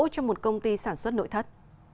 trong một công ty sản xuất nội thất